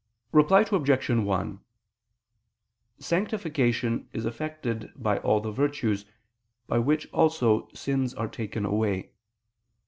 Reply Obj. 1: Sanctification is effected by all the virtues, by which also sins are taken away.